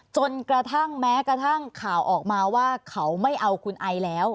จนกระทั่งแม้กระทั่งข่าวออกมาว่าเขาไม่เอาคุณไอแล้ว